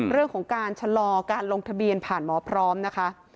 เรื่องของการชะลอการลงทะเบียนผ่านหมอพร้อมนะคะ